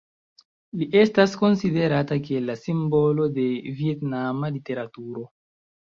Li estas konsiderata kiel la simbolo de vjetnama literaturo.